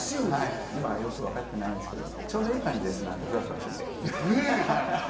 よくわかってないんですけど、ちょうどいい感じです、ふわふわしてて。